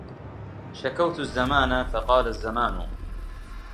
شكوت الزمان فقال الزمان